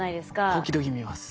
時々見ます。